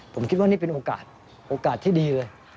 ผมคิดว่านี่เป็นโอกาสโอกาสที่ดีเลย